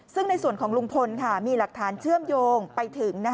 ซึ่งในส่วนของลุงพลมีหลักฐานเชื่อมโยงไปถึง